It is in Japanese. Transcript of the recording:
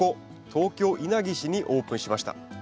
東京稲城市にオープンしました。